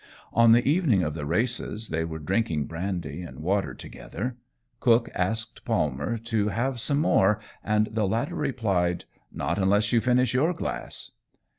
On the evening of the races they were drinking brandy and water together. Cook asked Palmer to have some more, and the latter replied, "Not unless you finish your glass."